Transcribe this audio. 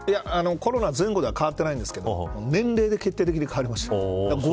コロナ前後では変わってないんですけど年齢で決定的に変わりました。